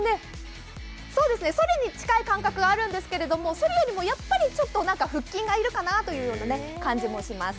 そりに近い感覚はあるんですけどそりよりも腹筋が要るかなという感じがします。